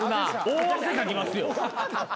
大汗かきますよ。